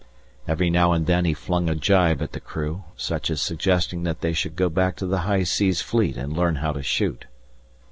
Every now and then he flung a gibe at the crew, such as suggesting that they should go back to the High Seas Fleet and learn how to shoot.